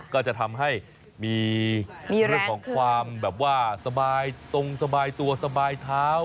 ก็จะทำให้มีเรื่องของความแบบว่าสบายตรงสบายตัวสบายเท้า